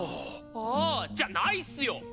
あぁじゃないっスよ！